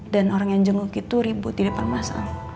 dan orang yang jenguk itu ribut di depan masalah